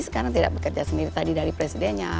sekarang tidak bekerja sendiri tadi dari presidennya